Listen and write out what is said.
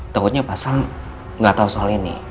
takutnya pasang nggak tahu soal ini